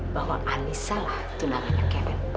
bahwa anissa lah tunangannya kevin